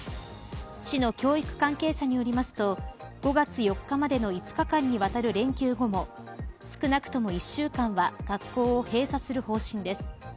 市の教育関係者によりますと５月４日までの５日間にわたる連休後も少なくとも１週間は学校を閉鎖する方針です。